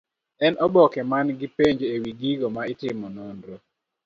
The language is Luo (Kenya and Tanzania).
En oboke man gi penjo ewi gigo ma itime nonro.